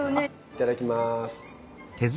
いただきます。